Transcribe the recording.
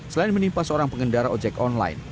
selain menimpa seorang pengendara ojek online